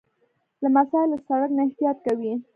لمسی له سړک نه احتیاط کوي.